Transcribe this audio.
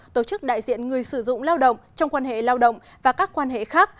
tổ chức đại diện người sử dụng lao động trong quan hệ lao động và các quan hệ khác